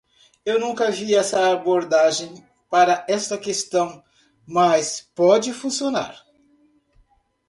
Eu nunca vi essa abordagem para esta questão, mas pode funcionar.